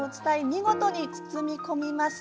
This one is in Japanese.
見事に包み込みます。